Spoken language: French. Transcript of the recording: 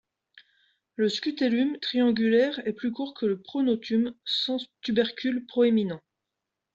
Le scutellum, triangulaire, est plus court que le pronotum, sans tubercule proéminent.